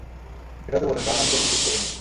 সেটাই তো বলবেন কারণ আমি তো ভুল কিছু করিনি!